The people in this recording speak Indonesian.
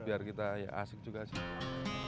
biar kita ya asik juga sih